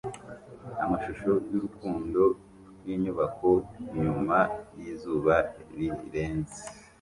Amashusho yurukundo yinyubako nyuma yizuba rirenze